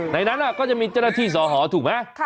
ในนั้นก็จะมีเจ้าหน้าที่สอหอถูกไหม